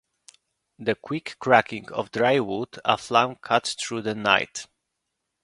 The quick crackling of dry wood aflame cut through the night.